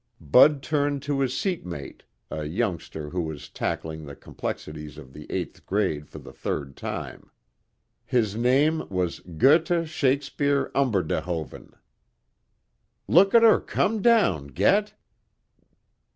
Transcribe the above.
Bud turned to his seatmate, a youngster who was tackling the complexities of the eighth grade for the third time. His name was Goethe Shakespeare Umberdehoven. "Look at her come down, Get!"